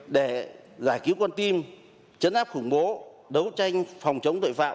để giải cứu con tim chấn áp khủng bố đấu tranh phòng chống tội phạm